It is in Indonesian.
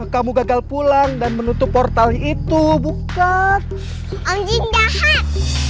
kamu gagal pulang dan menutup portal itu bukan om jin jahat